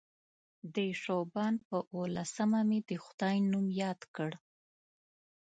د شعبان پر اووه لسمه مې د خدای نوم یاد کړ.